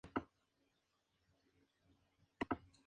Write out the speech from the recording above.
Actualmente dirige a la Selección de fútbol de Rumania.